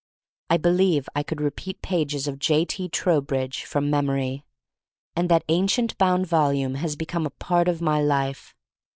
I believe I could repeat pages of J. T. Trowbridge from memory, and that ancient bound volume has become a part of my life.